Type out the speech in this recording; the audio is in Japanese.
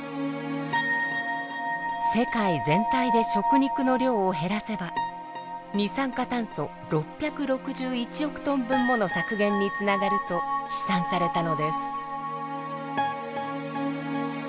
世界全体で食肉の量を減らせば二酸化炭素６６１億トン分もの削減につながると試算されたのです。